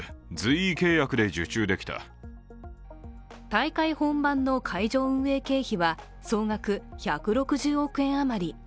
大会本番の会場運営経費は総額１６０億円余り。